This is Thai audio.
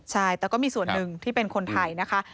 ใช่แต่ก็มีส่วนหนึ่งที่เป็นคนไทยนะคะ